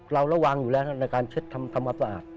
เราระวังอยู่แล้วนะในการเช็ดธรรมศาสตร์